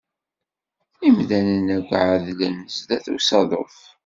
Imdanen akk ɛedlen sdat usaḍuf.